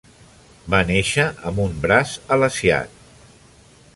Va néixer amb un braç alesiat.